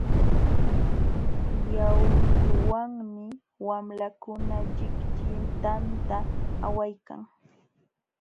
Yawliwanmi wamlakuna llikllitanta awaykan.